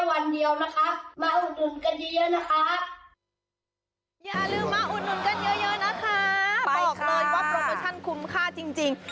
บอกเลยว่าโปรโมชั่นคุ้มค่าจริง